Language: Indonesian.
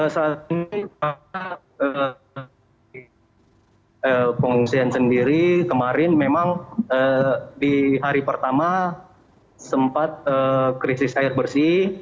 saat pengungsian sendiri kemarin memang di hari pertama sempat krisis air bersih